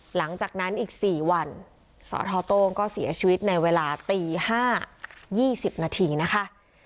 หลังจากนั้นอีก๔วันสทโต้งก็เสียชีวิตในเวลาตี๕๒๐นาทีนะคะ